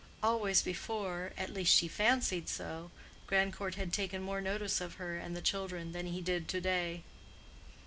Always before—at least she fancied so—Grandcourt had taken more notice of her and the children than he did to day.